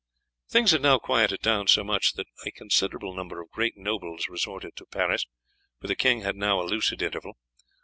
Things had now quieted down so much that a considerable number of great nobles resorted to Paris, for the king had now a lucid interval.